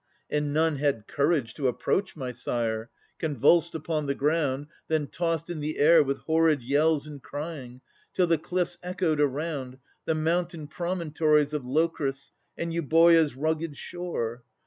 And none had courage to approach my sire, Convulsed upon the ground, then tossed i' the air With horrid yells and crying, till the cliffs Echoed round, the mountain promontories Of Locris, and Euboea's rugged shore.